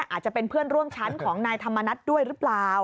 อาจจะเป็นเพื่อนร่วมชั้นของนายธรรมนัฐด้วยหรือเปล่า